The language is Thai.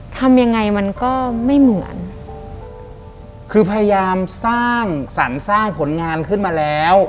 ทำยังไงมันก็ไม่เหมือนคือพยายามสร้างสรรค์สร้างผลงานขึ้นมาแล้ว